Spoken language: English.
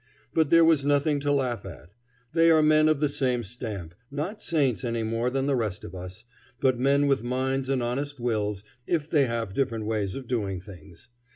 But there was nothing to laugh at. They are men of the same stamp, not saints any more than the rest of us, but men with minds and honest wills, if they have different ways of doing things.